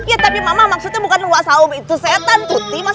ya tapi mama maksudnya bukan opa saum itu setan putih